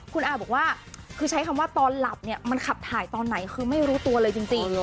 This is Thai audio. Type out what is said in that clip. คุณอาบอกว่าคือใช้คำว่าตอนหลับเนี่ยมันขับถ่ายตอนไหนคือไม่รู้ตัวเลยจริง